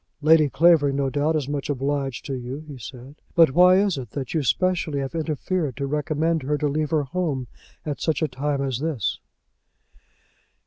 "Lady Clavering, no doubt, is much obliged to you," he said, "but why is it that you specially have interfered to recommend her to leave her home at such a time as this?"